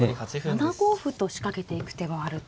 ７五歩と仕掛けていく手もあると。